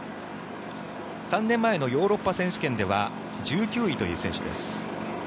３年前のヨーロッパ選手権では１９位という選手です。